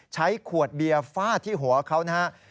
ใช้ขวดเบียร์ฟาดที่หัวเขานะครับ